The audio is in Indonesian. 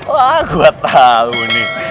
wah gue tau nih